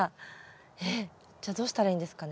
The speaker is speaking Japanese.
えっじゃあどうしたらいいんですかね。